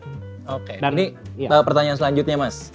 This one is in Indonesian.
oke ini pertanyaan selanjutnya mas